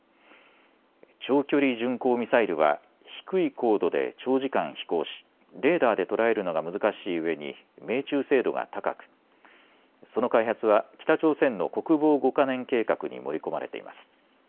長距離巡航ミサイルは低い高度で長時間、飛行しレーダーで捉えるのが難しいうえに命中精度が高くその開発は北朝鮮の国防５か年計画に盛り込まれています。